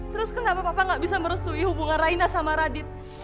terus kenapa bapak gak bisa merestui hubungan raina sama radit